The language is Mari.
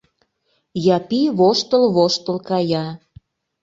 Япи воштыл-воштыл кая.